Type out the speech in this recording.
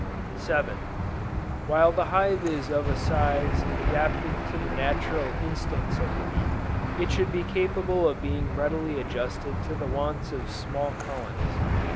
7. While the hive is of a size adapted to the natural instincts of the bee, it should be capable of being readily adjusted to the wants of small colonies.